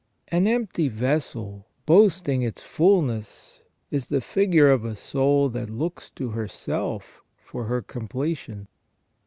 An empty vessel boasting its fulness is the figure of a soul that looks to herself for her completion.